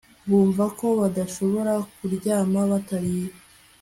bumva ko badashobora kuryama batariye